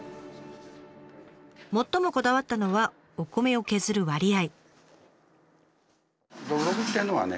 最もこだわったのはお米を削る割合。